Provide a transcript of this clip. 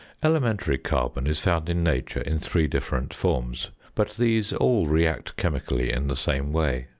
Elementary carbon is found in nature in three different forms, but these all re act chemically in the same way.